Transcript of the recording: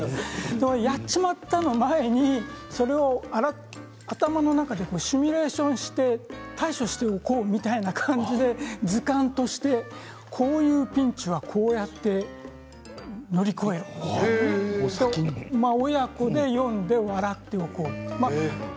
やっちまったの前にそれを頭の中でシミュレーションして対処しておこうみたいな感じで図鑑としてこういうピンチはこうやって乗り越えるみたいな親子で呼んで笑ってという本です。